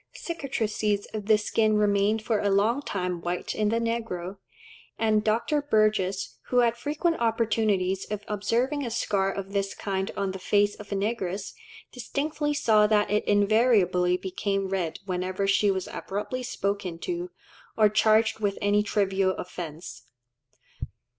Cicatrices of the skin remain for a long time white in the negro, and Dr. Burgess, who had frequent opportunities of observing a scar of this kind on the face of a negress, distinctly saw that it "invariably became red whenever she was abruptly spoken to, or charged with any trivial offence."